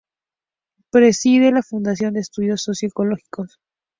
Preside la Fundación de Estudios Sociológicos.